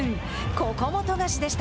ここも富樫でした。